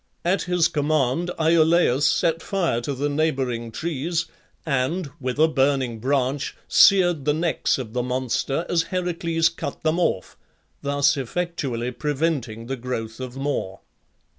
At his command Iolaus set fire to the neighbouring trees, and, with a burning branch, seared the necks of the monster as Heracles cut them off, thus effectually preventing the growth of more.